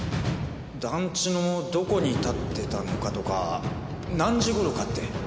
団地のどこに立ってたのかとか何時頃かって。